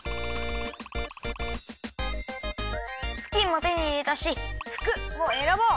ふきんも手にいれたし「ふく」をえらぼう！